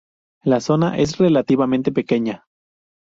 La zona es relativamente pequeña.